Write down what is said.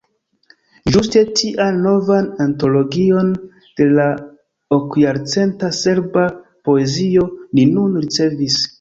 Ĝuste tian novan antologion, de la okjarcenta serba poezio, ni nun ricevis.